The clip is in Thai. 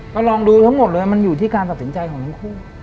ก็ลองดูทั้งหมดเลยมันอยู่ที่การตัดสินใจของทั้งคู่